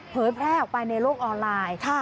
เผยแพร่ออกไปในโลกออนไลน์